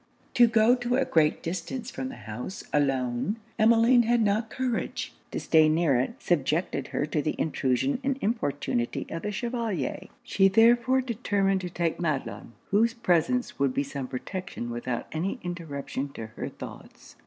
To go to a great distance from the house, alone, Emmeline had not courage; to stay near it, subjected her to the intrusion and importunity of the Chevalier. She therefore determined to take Madelon, whose presence would be some protection without any interruption to her thoughts.